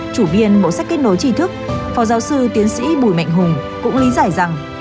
chủ biên mẫu sách kết nối tri thức phò giáo sư tiến sĩ bùi mạnh hùng cũng lý giải rằng